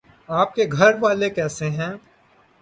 آپ کے گھر والے کیسے ہے